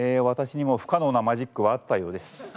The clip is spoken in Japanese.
私にも不可能なマジックはあったようです。